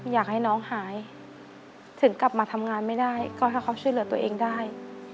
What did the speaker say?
อยากให้น้องหายถึงกลับมาทำงานไม่ได้ก็ถ้าเขาช่วยเหลือตัวเองได้